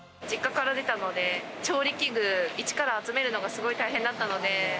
実家から出たので、調理器具をイチから集めるのがすごい大変だったので。